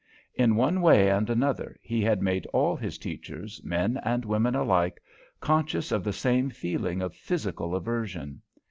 In one way and another, he had made all his teachers, men and women alike, conscious of the same feeling of physical aversion.